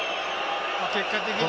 結果的に。